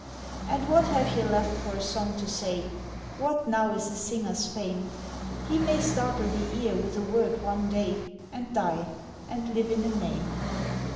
And what have ye left for a song to say? What now is a singer's fame? He may startle the ear with a word one day, And die, and live in a name.